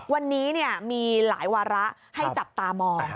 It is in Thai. วันนี้มีหลายวาระให้จับตามอง